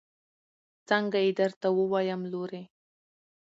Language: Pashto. څنګه يې درته ووايم لورې.